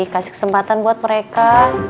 kasih kesempatan buat mereka